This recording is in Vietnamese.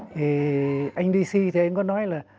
thì anh dc thì anh có nói là